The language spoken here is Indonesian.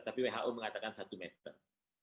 tapi who mengatakan satu meter